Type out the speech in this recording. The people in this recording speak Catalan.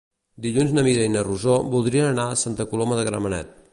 Dilluns na Mira i na Rosó voldrien anar a Santa Coloma de Gramenet.